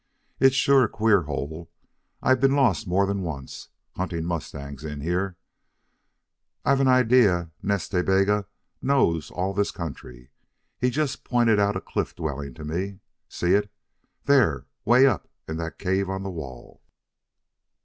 "It's sure a queer hole. I've been lost more than once, hunting mustangs in here. I've an idea Nas Ta Bega knows all this country. He just pointed out a cliff dwelling to me. See it?... There 'way up in that cave of the wall."